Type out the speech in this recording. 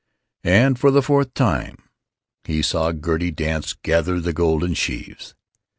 And for the fourth time he saw Gertie dance "Gather the Golden Sheaves."